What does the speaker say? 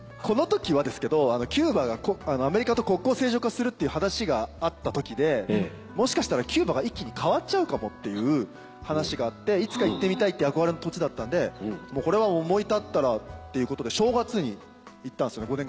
このときはですけどキューバがアメリカと国交正常化するっていう話があったときでもしかしたらキューバが一気に変わっちゃうかもっていう話があっていつか行ってみたいって憧れの土地だったんでこれは思い立ったらっていうことで正月に行ったんすよね